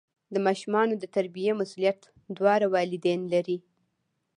د ماشومانو د تربیې مسؤلیت دواړه والدین لري.